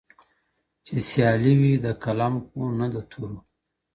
چي سیالي وي د قلم خو نه د تورو،